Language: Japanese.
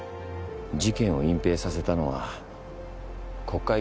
事件を隠蔽させたのは国会議員でした。